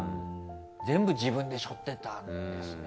全部自分で背負ってたんですね。